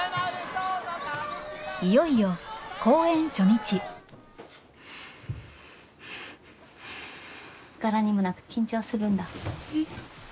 いよいよ公演初日柄にもなく緊張するんだ。え。